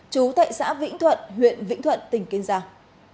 chú thệ xã vĩnh thuận huyện vĩnh thuận tỉnh kiên giang